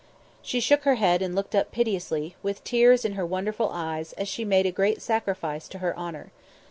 She shook her head and looked up piteously, with tears in her wonderful eyes, as she made a great sacrifice to her honour.